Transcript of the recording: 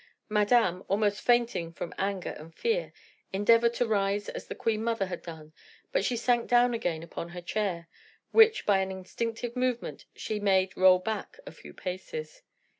Madame, almost fainting from anger and fear, endeavored to rise as the queen mother had done; but she sank down again upon her chair, which by an instinctive movement she made roll back a few paces.